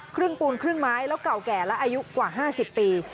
ครึ่งปูนครึ่งไม้แล้วเก่าแก่และอายุกว่า๕๐ปี